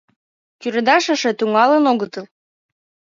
Тӱредаш эше тӱҥалын огытыл.